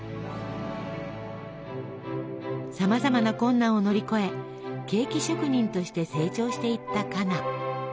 さまざまな困難を乗り越えケーキ職人として成長していったカナ。